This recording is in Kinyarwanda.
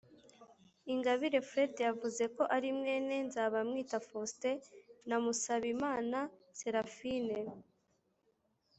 Ingabire Freddy yavuze ko ari mwene Nzabamwita Faustin na Musabimana Serafine